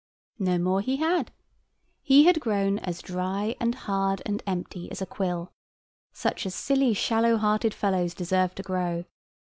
No more he had. He had grown as dry and hard and empty as a quill, as such silly shallow hearted fellows deserve to grow.